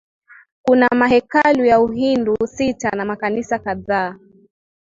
Kuna mahekalu ya Uhindu sita na makanisa kadhaa